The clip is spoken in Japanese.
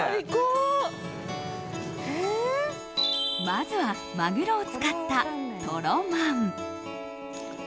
まずはマグロを使ったとろまん。